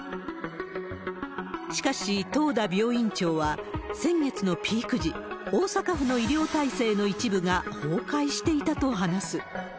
しかし東田病院長は、先月のピーク時、大阪府の医療体制の一部が崩壊していたと話す。